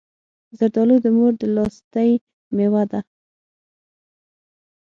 زردالو د مور د لاستی مېوه ده.